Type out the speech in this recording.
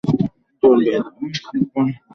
বোহ, এসব কি সত্যি?